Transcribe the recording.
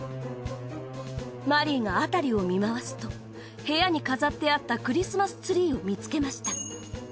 マリーがあたりを見回すと部屋に飾ってあったクリスマスツリーを見つけました